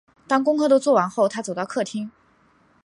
当功课都做完后，她走到客厅